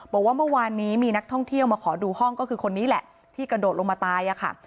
บอกว่าเมื่อวานนี้มีนักท่องเที่ยวมาขอดูห้องก็คือคนนี้แหละที่กระโดดลงมาตายอะค่ะ